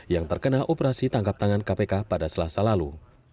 yang terkena operasi tangkap tangan kpk pada selasa lalu